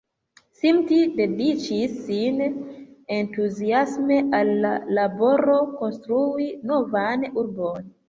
Smith dediĉis sin entuziasme al la laboro konstrui novan urbon.